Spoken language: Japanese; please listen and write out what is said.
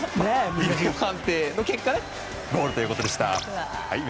ビデオ判定の結果がゴールということでした。